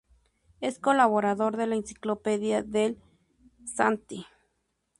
Es colaborador de la "Enciclopedia dei santi".